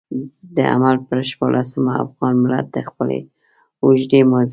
د حمل پر شپاړلسمه افغان ملت د خپلې اوږدې ماضي.